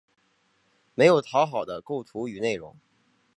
没有讨好的构图与内容